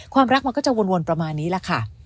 รักมันก็จะวนประมาณนี้แหละค่ะ